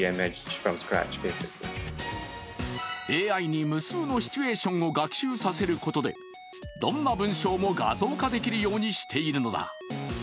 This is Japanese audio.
ＡＩに無数のシチュエーションを学習させることでどんな文章も画像化できるようにしているのだ。